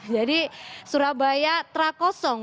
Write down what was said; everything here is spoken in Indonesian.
jadi surabaya trakosong